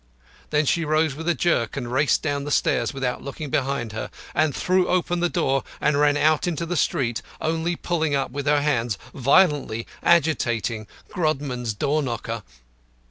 Then she rose with a jerk and raced down the stairs without looking behind her, and threw open the door and ran out into the street, only pulling up with her hand violently agitating Grodman's door knocker.